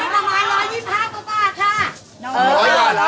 น้อยกว่าเหรอน้อยค่ะ